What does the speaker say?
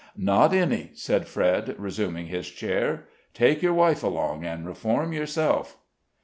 "Not any," said Fred, resuming his chair; "take your wife along, and reform yourself."